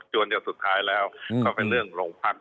วนเดี๋ยวสุดท้ายแล้วก็เป็นเรื่องโรงพัก